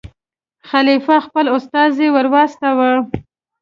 خلیفه خپل استازی ور واستاوه.